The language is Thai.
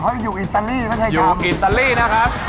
เขาอยู่อิตาลีไม่ใช่อยู่อิตาลีนะครับ